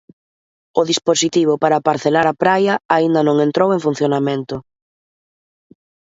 O dispositivo para parcelar a praia aínda non entrou en funcionamento.